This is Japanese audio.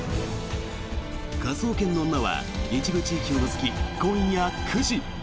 「科捜研の女」は一部地域を除き、今夜９時。